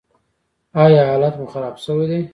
ایا حالت مو خراب شوی دی؟